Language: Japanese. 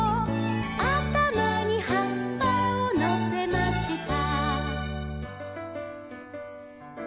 「あたまにはっぱをのせました」